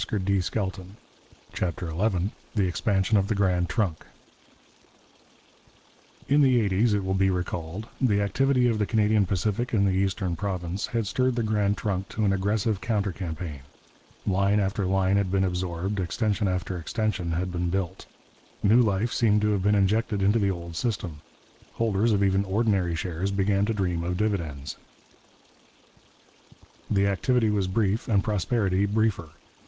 CHAPTER XI THE EXPANSION OF THE GRAND TRUNK The Darkest Days New Men at the Helm Expansion in the East The Grand Trunk In the eighties, it will be recalled, the activity of the Canadian Pacific in the eastern province had stirred the Grand Trunk to an aggressive counter campaign. Line after line had been absorbed, extension after extension had been built. New life seemed to have been injected into the old system. Holders of even ordinary shares began to dream of dividends. The activity was brief and prosperity briefer.